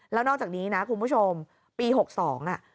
แล้วนอกจากนี้นะคุณผู้ชมปี๖๒น่ะ